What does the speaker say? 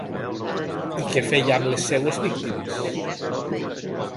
I què feia amb les seves víctimes?